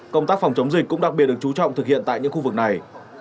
công tác phòng chống dịch cũng đặc biệt được chú trọng thực hiện tại những khu vực này